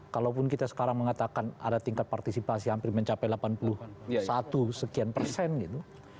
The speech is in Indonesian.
kalaupun kita sekarang mengatakan ada tingkat partisipasi hampir mencapai delapan puluh satu sekian persen gitu